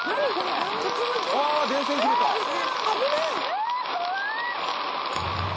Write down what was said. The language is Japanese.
・・えぇ怖い！